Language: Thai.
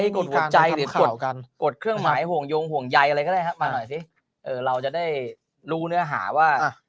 กดหัวใจหรือกดเครื่องหมายห่วงยงห่วงใยอะไรก็ได้ครับมาหน่อยสิเราจะได้รู้เนื้อหาว่า